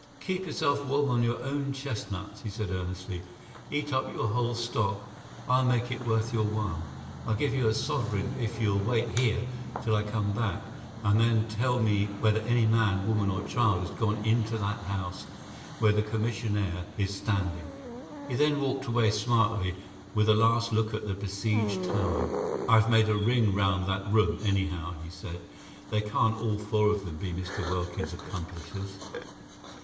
"Keep yourself warm on your own chestnuts," he said earnestly. "Eat up your whole stock; I'll make it worth your while. I'll give you a sovereign if you'll wait here till I come back, and then tell me whether any man, woman, or child has gone into that house where the commissionaire is standing." He then walked away smartly, with a last look at the besieged tower. "I've made a ring round that room, anyhow," he said. "They can't all four of them be Mr. Welkin's accomplices."